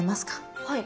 はい。